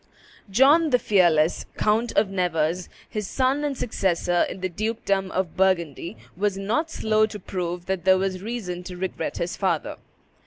John the Fearless, Count of Nevers, his son and successor in the dukedom of Burgundy, was not slow to prove that there was reason to regret his father.